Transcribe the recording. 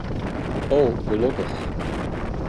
O, gelokkich.